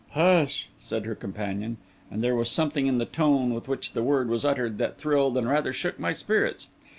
"Hush!" said her companion; and there was something in the tone with which the word was uttered that thrilled and rather shook my spirits.